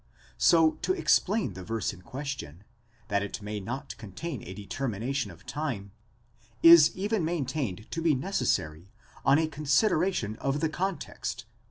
So to explain the verse in question, that it may not contain a determination of time, is even maintained to be necessary on a consideration of the context, v.